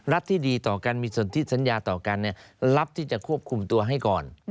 ที่ดีต่อกันมีส่วนที่สัญญาต่อกันรับที่จะควบคุมตัวให้ก่อน